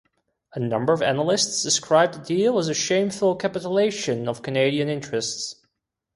A number of analysts described the deal as a shameful capitulation of Canadian interests.